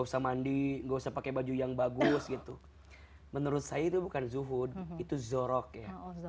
usah mandi enggak usah pakai baju yang bagus gitu menurut saya itu bukan zuhud itu zorok ya